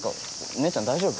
姉ちゃん大丈夫？